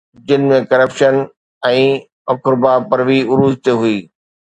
جن ۾ ڪرپشن ۽ اقربا پروري عروج تي هئي.